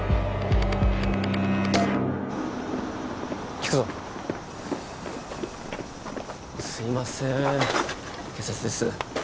聞くぞすいません警察です